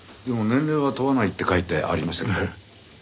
でも年齢は問わないって書いてありましたけど？